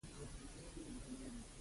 د شېوان خلک د هر تحول پر وړاندي ویښ دي